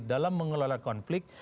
dalam mengelola konflik